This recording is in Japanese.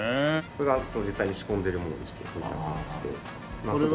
これが実際に仕込んでるものでしてこんな感じで。